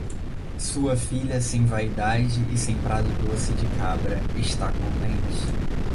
Sua filha, sem vaidade e sem prado doce de cabra, está contente.